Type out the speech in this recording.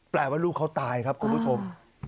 ว่าลูกเขาตายครับคุณผู้ชม